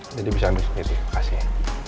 jadi bisa ambil sendiri kasih ya